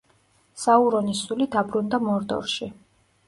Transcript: საურონის სული დაბრუნდა მორდორში.